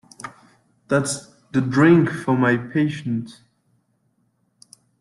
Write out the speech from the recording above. That's the drink for my patient.